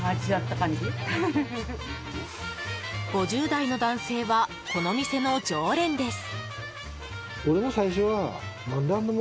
５０代の男性はこの店の常連です。